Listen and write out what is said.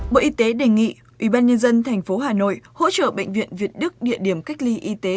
bộ y tế đề nghị ubnd tp hà nội hỗ trợ bệnh viện việt đức địa điểm cách ly y tế